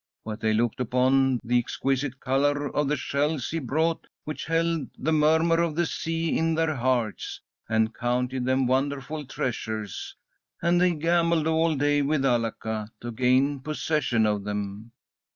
But they looked upon the exquisite colour of the shells he brought, which held the murmur of the sea in their hearts, and counted them wonderful treasures. And they gambled all day with Alaka to gain possession of them.